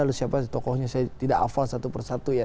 lalu siapa tokohnya saya tidak hafal satu persatu ya